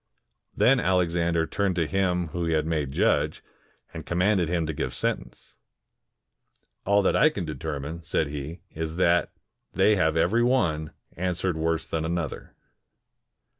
Then Alexander turned to him whom he had made judge, and commanded him to give sentence. "All that I can determine," said he, " is, that they have ever^' one answered worse than another."